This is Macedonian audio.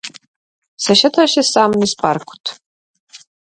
Се шеташе сам низ паркот.